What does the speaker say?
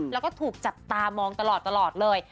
แล้วก็ถูกจับตามองตลอดเลย